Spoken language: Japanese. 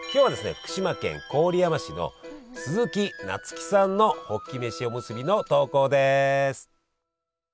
福島県郡山市のすずきなつきさんのホッキ飯おむすびの投稿です。